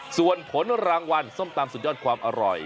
ส่วนผลรางวัลส้มตำสุดยอดความอร่อย